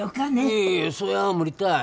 いやいやいやそれは無理たい。